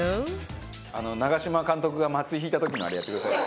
長嶋監督が松井引いた時のあれやってください。